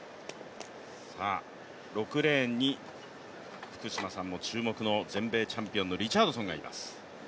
６レーンに福島さんも注目の全米チャンピオンのリチャードソンがいます。